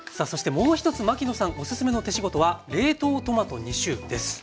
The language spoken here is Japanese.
もう一つ牧野さんおすすめの手仕事は冷凍トマト２種です。